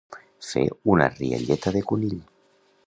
Fer una rialleta de conill.